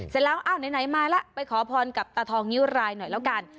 เสร็จแล้วได้ไหนมาละไปขอภอนกับตาทองนิ้วลายเหรอกัน